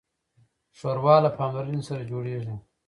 ښوروا له پاملرنې سره جوړیږي.